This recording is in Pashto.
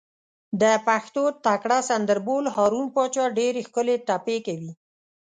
د پښتو تکړه سندر بول، هارون پاچا ډېرې ښکلې ټپې کوي.